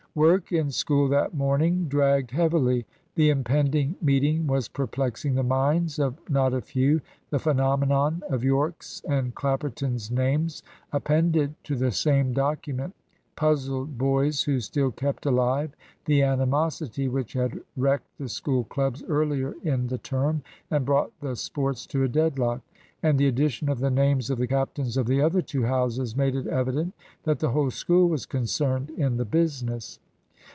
Work in school that morning dragged heavily. The impending meeting was perplexing the minds of not a few. The phenomenon of Yorke's and Clapperton's names appended to the same document puzzled boys who still kept alive the animosity which had wrecked the School clubs earlier in he term and brought the sports to a deadlock. And the addition of the names of the captains of the other two houses made it evident that the whole School was concerned in the business.